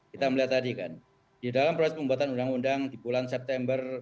kita melihat tadi kan di dalam proses pembuatan undang undang di bulan september